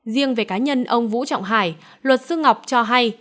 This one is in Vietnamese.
riêng về cá nhân ông vũ trọng hải luật sư ngọc cho hay